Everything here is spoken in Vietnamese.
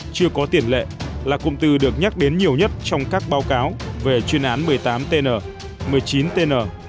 chưa có tiền lệ là cụm từ được nhắc đến nhiều nhất trong các báo cáo về chuyên án một mươi tám tn một mươi chín tn